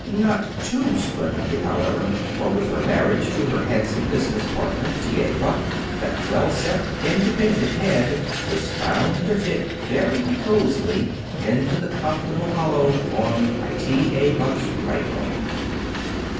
Not too splendidly, however; for, with her marriage to her handsome business partner, T. A. Buck, that well set, independent head was found to fit very cozily into the comfortable hollow formed by T. A. Buck's right arm.